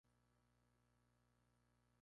Zoológico Dr.